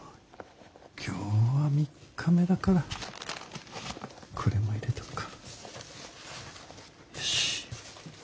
今日は３日目だからこれも入れとくか。